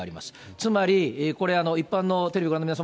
つまりこれ、一般のテレビをご覧の皆様